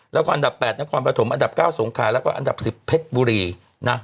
แล้วก็อันดับ๘นครปฐมอันดับ๙สงขาแล้วก็อันดับ๑๐เพชรบุรีนะ